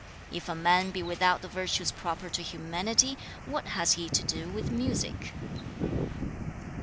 If a man be without the virtues proper to humanity, what has he to do with music?'